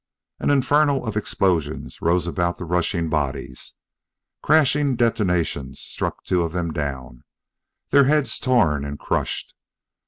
An inferno of explosions rose about the rushing bodies; crashing detonations struck two of them down, their heads torn and crushed.